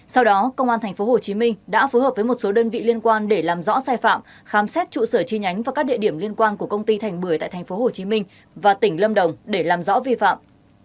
sau đó công an tp hcm đã phối hợp với một số đơn vị liên quan để làm rõ sai phạm khám xét trụ sở chi nhánh và các địa điểm liên quan của công ty thành bưởi tại tp hcm và tỉnh lâm đồng để làm rõ vi phạm